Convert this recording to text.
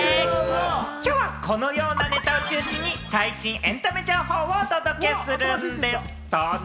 きょうはこのようなネタを中心に最新エンタメ情報をお届けするんでぃす。